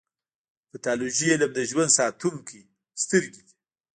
د پیتالوژي علم د ژوند ساتونکې سترګې دي.